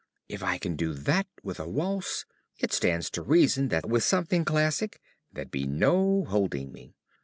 If I can do that with a waltz, it stands to reason that with something classic there'd be no holding me.